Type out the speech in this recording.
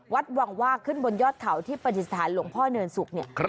วัดวังว่าขึ้นบนยอดเขาที่ปฏิสถานหลวงพ่อเนินศุกร์เนี่ย